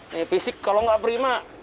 nah fisik kalau nggak prima